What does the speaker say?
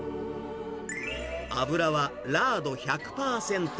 油はラード１００％。